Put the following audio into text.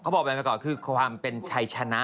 ก็บอกว่าเป็นผลักกรอบคือความชัยชนะ